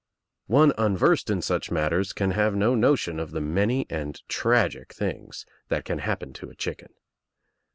One unversed in such matters can have no notion of the many and tragic things that can happen to a chicken.